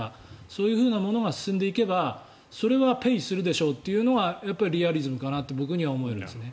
そういうふうなものが進んでいけばそれはペイするでしょというのがリアリズムかなと僕には思えるんですね。